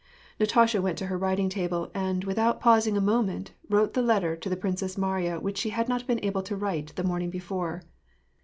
Natasha went to her writing table, and without pausing a moment wrote the letter to the Princess Mariya which she bad not been able to write tl^e morning before.